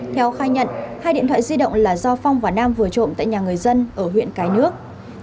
theo khai nhận hai điện thoại di động là do phong và nam vừa trộm tại nhà người dân ở huyện cái nước